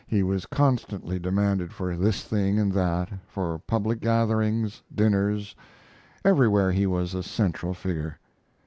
He was constantly demanded for this thing and that for public gatherings, dinners everywhere he was a central figure.